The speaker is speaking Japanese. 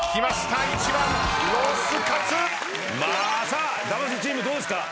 さあ魂チームどうですか？